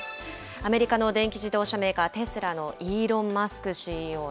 アメリカの電気自動車メーカー、テスラのイーロン・マスク